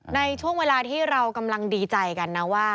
ในช่วงเวลาที่เรากำลังดีใจกันนะว่า